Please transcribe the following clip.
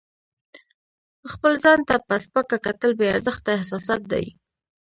خپل ځان ته په سپکه کتل بې ارزښته احساسات دي.